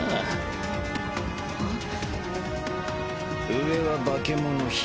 上はバケモノ姫。